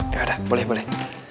ya udah boleh boleh